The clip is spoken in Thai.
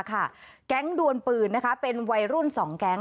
แก๊งดวนปืนเป็นวัยรุ่น๒แก๊ง